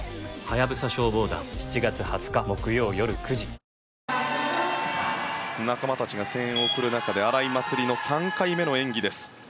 あ仲間たちが声援を送る中荒井祭里の３回目の演技です。